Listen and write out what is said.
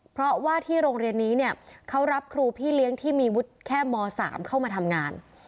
เพราะว่าที่โรงเรียนนี้เนี่ยเขารับครูพี่เลี้ยงที่มีวุฒิแค่ม๓เข้ามาทำงาน